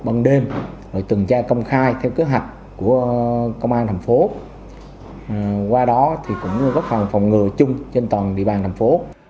bằng đêm tuần tra công khai theo kế hoạch của công an tp bh qua đó cũng góp phòng ngừa chung trên toàn địa bàn tp bh